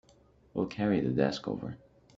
We'll carry the desk over.